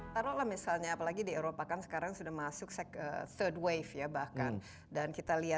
jangan lupa like share dan subscribe ya